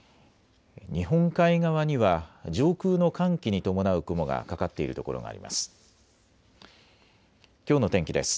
日本海側には上空の寒気に伴う雲がかかっている所があります。